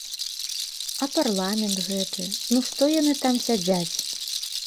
А парламент гэты, ну што яны там сядзяць?